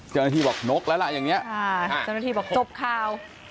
จนทีบอกนกแล้วล่ะอย่างเนี้ยจนทีบอกจบข่าว